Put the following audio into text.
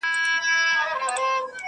نه شاهین د تورو غرو نه تور بلبل سوې.